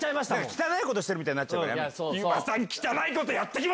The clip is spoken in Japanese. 汚いことしてるみたいになるからやめよう。